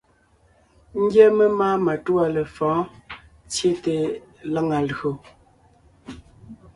Ńgyɛ́ memáa matûa lefɔ̌ɔn tsyete lǎŋa lÿò.